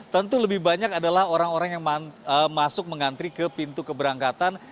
tentu lebih banyak adalah orang orang yang masuk mengantri ke pintu keberangkatan